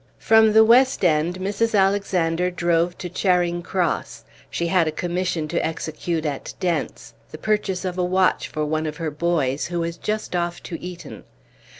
From the West End Mrs. Alexander drove to Charing Cross; she had a commission to execute at Dent's the purchase of a watch for one of her boys, who was just off to Eton.